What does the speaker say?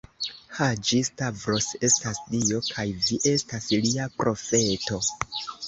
Haĝi-Stavros estas Dio, kaj vi estas lia profeto.